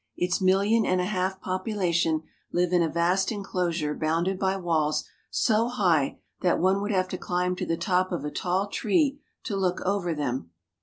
Its million and a half popu lation live in a vast inclosure bounded by walls so high that one would have to climb to the top of a tall tree to look over them.